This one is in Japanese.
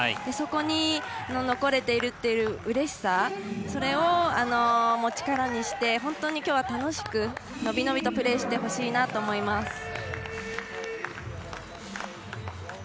そこに残れているっていううれしさ、それをも力にして本当にきょうは楽しく伸び伸びとプレーしてほしいなと思います。